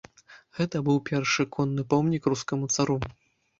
Гэта быў першы конны помнік рускаму цару.